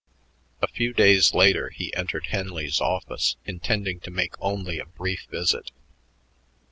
A few days later he entered Henley's office, intending to make only a brief visit.